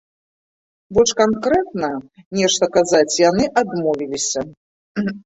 Больш канкрэтна нешта казаць яны адмовіліся.